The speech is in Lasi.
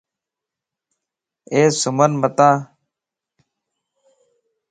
اي سمين متان